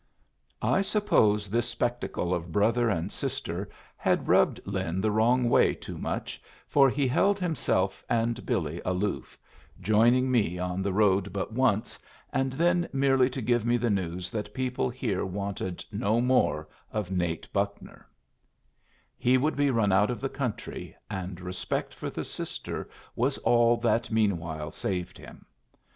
I suppose this spectacle of brother and sister had rubbed Lin the wrong way too much, for he held himself and Billy aloof, joining me on the road but once, and then merely to give me the news that people here wanted no more of Nate Buckner; he would be run out of the country, and respect for the sister was all that meanwhile saved him.